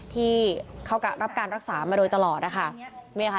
ที่เขารับการรักษามาโดยตลอดนะคะ